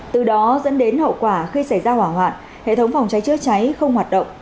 từ đó dẫn đến hậu quả khi xảy ra hỏa hoạn hệ thống phòng cháy chữa cháy không hoạt động